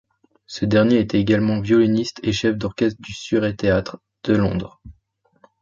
Ce dernier était également violoniste et chef d'orchestre du Surrey Theatre de Londres.